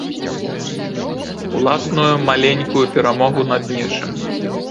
Уласную маленькую перамогу над нечым.